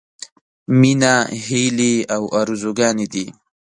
— مينه هيلې او ارزوګانې دي.